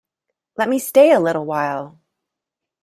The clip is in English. Let me stay a little while!